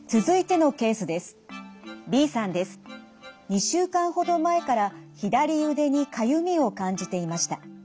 ２週間ほど前から左腕にかゆみを感じていました。